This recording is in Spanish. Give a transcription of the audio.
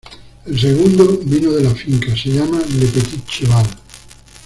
El segundo vino de la finca se llama Le Petit Cheval.